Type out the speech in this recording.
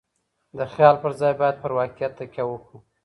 د خيال پر ځای بايد پر واقعيت تکيه وکړو.